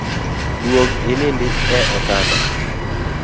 Duog inindi e otanda